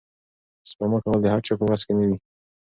سپما کول د هر چا په وس کې نه وي.